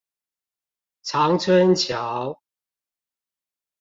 長春橋